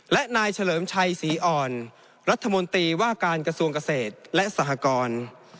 และนายเฉลิมชัยศรีอ่อนรัฐมนตรีว่าการกระทรวงเกษตรและสหกร